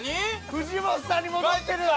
藤本さんに戻ってるわ！